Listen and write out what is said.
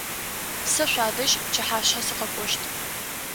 Сэ шъуадэжь пчыхьашъхьэ сыкъэкӏощт.